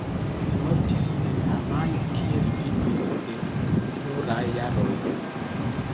Li mortis en Amano kie li vivis de pluraj jaroj.